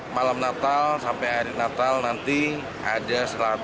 malam natal sampai hari natal nanti ada satu ratus dua puluh empat